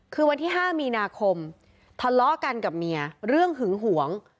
คือวันที่๕มีนาคมทะเลาะกันกับเมียเรื่องหึงหวง